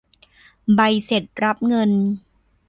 ใบเสร็จรับเงิน